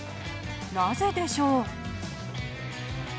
なぜでしょう？